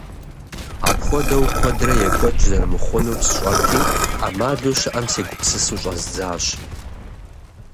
Апхуэдэу куэдрэ екӀуэкӀ зэрымыхъунур сщӀэрти, Ӏэмалу щыӀэм сегупсысу щӀэздзащ.